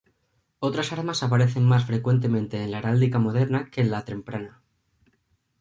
Otras armas aparecen más frecuentemente en la heráldica moderna que en la temprana.